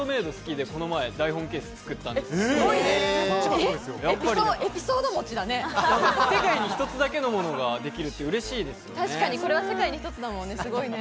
僕もハンドメイド好きで、この前、ｉＰｈｏｎｅケース作ったんですけど、世界に一つだけのものができるってうれしいですよね。